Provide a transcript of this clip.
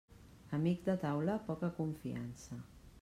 Amic de taula, poca confiança.